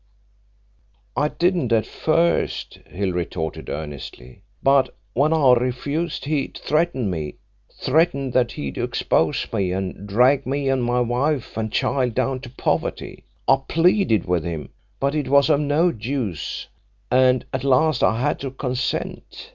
"I didn't at first," Hill retorted earnestly, "but when I refused he threatened me threatened that he'd expose me and drag me and my wife and child down to poverty. I pleaded with him, but it was of no use, and at last I had to consent.